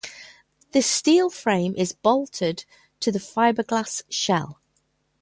This steel frame is bolted to the fiberglass shell.